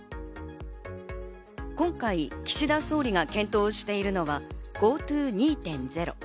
今回、岸田総理が検討しているのはＧｏＴｏ２．０。